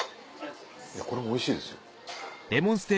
これもおいしいですよ。